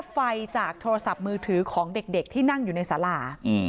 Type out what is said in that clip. ไฟจากโทรศัพท์มือถือของเด็กที่นั่งอยู่ในสารา